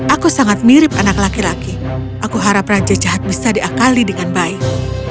aku sangat mirip anak laki laki aku harap raja jahat bisa diakali dengan baik